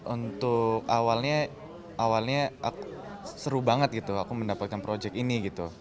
untuk awalnya seru banget aku mendapatkan proyek ini